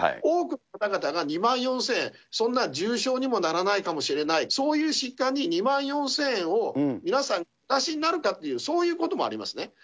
多くの方が２万４０００円、そんな重症にもならないかもしれない、そういう疾患に２万４０００円を、皆さん、お出しになるかという、そういうこともありますね。